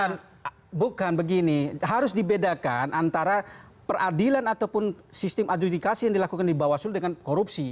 bukan bukan begini harus dibedakan antara peradilan ataupun sistem adjudikasi yang dilakukan di bawaslu dengan korupsi